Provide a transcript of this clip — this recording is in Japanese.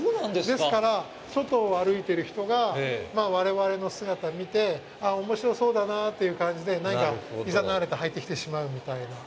ですから、外を歩いてる人が我々の姿を見ておもしろそうだなという感じで、何かいざなわれて入ってきてしまうみたいな。